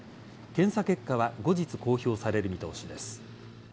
検査結果は後日公表される見通しです。